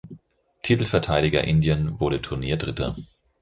Titelverteidiger Indien wurde Turnier-Dritter.